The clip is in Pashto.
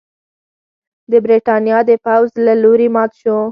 د برېټانیا د پوځ له لوري مات شو.